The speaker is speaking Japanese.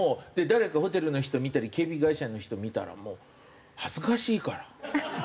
誰かホテルの人見たり警備会社の人見たらもう恥ずかしいから。